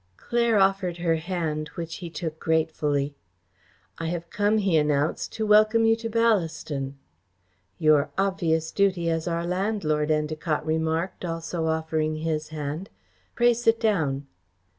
Claire offered her hand which he took gratefully. "I have come," he announced, "to welcome you to Ballaston." "Your obvious duty as our landlord," Endacott remarked, also offering his hand. "Pray sit down."